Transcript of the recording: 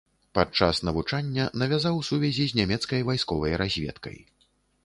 Падчас навучання навязаў сувязі з нямецкай вайсковай разведкай.